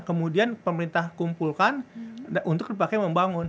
kemudian pemerintah kumpulkan untuk dipakai membangun